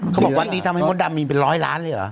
เขาบอกวัดนี้ทำให้มดดำมีเป็นร้อยล้านเลยเหรอ